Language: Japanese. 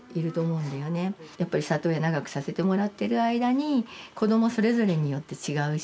やっぱり里親長くさせてもらってる間に子どもそれぞれによって違うし。